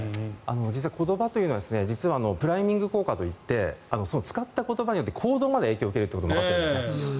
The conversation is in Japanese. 実は言葉というのは実はプライミング効果と言って使った言葉によって行動まで影響を受けることがわかってるんです。